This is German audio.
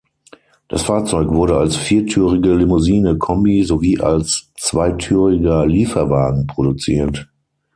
Das Fahrzeug wurde als viertürige Limousine, Kombi sowie als zweitüriger Lieferwagen produziert.